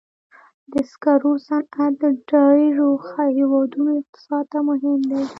د سکرو صنعت د ډېرو هېوادونو اقتصاد ته مهم دی.